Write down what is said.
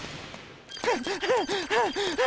はあはあはあはあ。